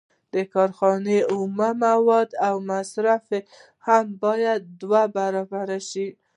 د کارخانې اومه مواد او مصارف هم باید دوه برابره شي